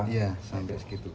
iya sampai segitu